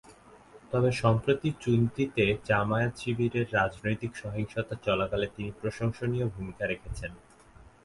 তবে সম্প্রতি চুনতিতে জামায়াত-শিবিরের রাজনৈতিক সহিংসতা চলাকালে তিনি প্রশংসনীয় ভূমিকা রেখেছেন।